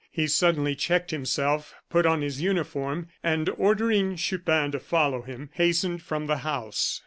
He suddenly checked himself, put on his uniform, and ordering Chupin to follow him, hastened from the house.